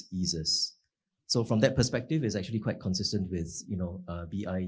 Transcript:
jadi dari perspektif itu ini cukup terkesan dengan